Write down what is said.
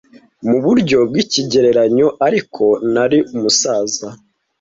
mu buryo bw'ikigereranyo ariko nari umusazi